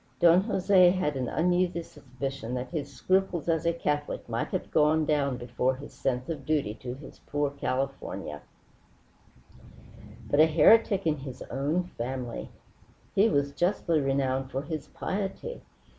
Don Jose had an uneasy suspicion that his scruples as a Catholic might have gone down before his sense of duty to this poor California. But a heretic in his own family! He was justly renowned for his piety.